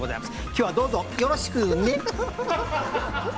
きょうはどうぞよろしくね。